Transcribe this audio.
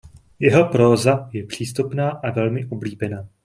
Jeho próza je přístupná a velmi oblíbená.